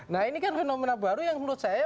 nah ini kan fenomena baru yang menurut saya